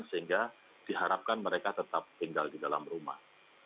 sehingga diharapkan mereka tetap tinggal di dalam rumah